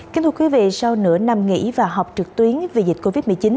kính thưa quý vị sau nửa năm nghỉ và học trực tuyến vì dịch covid một mươi chín